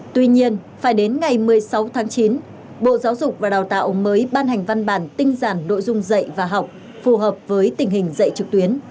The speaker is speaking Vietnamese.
tuy nhiên phải đến ngày một mươi sáu tháng chín bộ giáo dục và đào tạo mới ban hành văn bản tinh giản nội dung dạy và học phù hợp với tình hình dạy trực tuyến